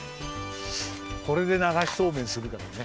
これでながしそうめんするからね。